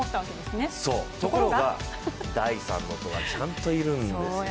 ところが、第三の男がちゃんといるんですよ。